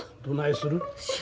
どないする？